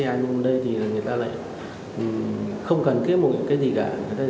nhưng hôm nay thì người ta lại không cần kiếm một cái gì cả